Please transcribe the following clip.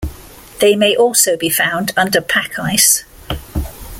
They may also be found under pack ice.